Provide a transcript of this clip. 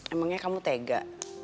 emangnya kamu tega